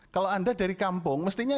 kalau anda dari kampung mestinya